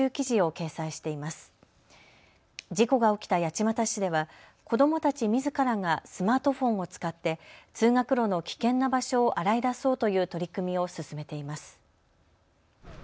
事故が起きた八街市では子どもたちみずからがスマートフォンを使って通学路の危険な場所を洗い出そうという取り組みを進めています。